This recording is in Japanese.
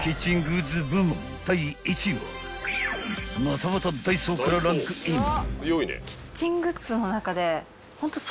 ［またまたダイソーからランクイン］